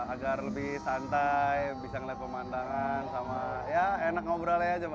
agar lebih santai bisa ngeliat pemandangan sama ya enak ngobrol aja